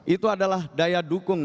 itu adalah daya dukung